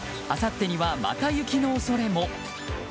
あさってにはまた雪の恐れも。